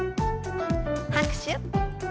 拍手。